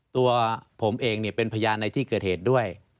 ตัวผมเองเป็นพยานในที่เกิดเหตุด้วย